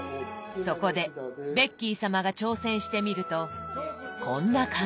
そこでベッキー様が挑戦してみるとこんな感じ。